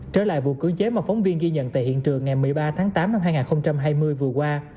trở lại vụ cưới mà phóng viên ghi nhận tại hiện trường ngày một mươi ba tháng tám năm hai nghìn hai mươi vừa qua